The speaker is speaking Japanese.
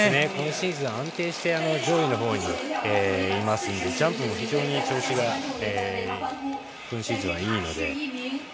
今シーズン安定して上位のほうにいますのでジャンプも非常に調子が今シーズンはいいので。